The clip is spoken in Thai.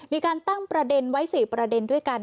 มีการตั้งประเด็นไว้๔ประเด็นด้วยกัน